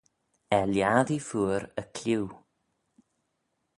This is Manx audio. Er lhiattee feayr y clieau.